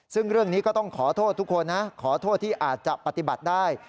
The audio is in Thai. ซึ่งเรื่องนี้ก็ต้องขอโทษทุกคนนะขอโทษที่อาจจะปฏิบัติได้